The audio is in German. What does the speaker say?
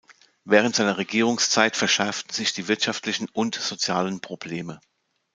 Während seiner Regierungszeit verschärften sich die wirtschaftlichen und sozialen Probleme.